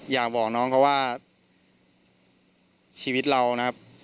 อยากบอกน้องเขาว่าชีวิตเรานะครับ